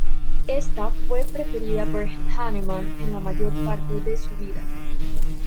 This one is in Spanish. Esta fue preferida por Hahnemann en la mayor parte de su vida.